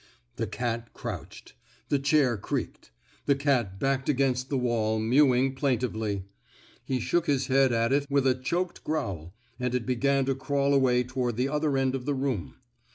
The cat crouched. The chair creaked. The cat backed against the wall, mewing plaintively. He shook his head at it with a choked growl, and it began to crawl away toward the other end of the room.